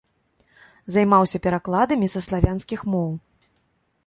Займаўся перакладамі са славянскіх моў.